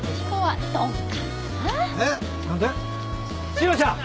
志乃ちゃん！